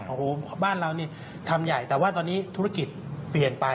โอ้โหบ้านเรานี่ทำใหญ่แต่ว่าตอนนี้ธุรกิจเปลี่ยนไป